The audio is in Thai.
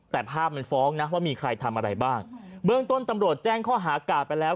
แต่ภาพมันฟ้องนะว่ามีใครทำอะไรบ้างเบื้องต้นตำรวจแจ้งข้อหากาดไปแล้ว